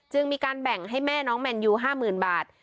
มีการแบ่งให้แม่น้องแมนยู๕๐๐๐บาท